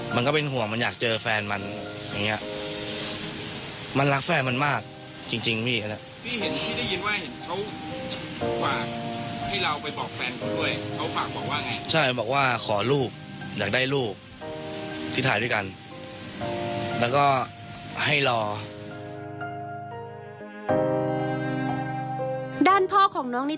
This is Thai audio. มันก็เป็นห่วงมันอยากเจอแฟนมันอย่างงี้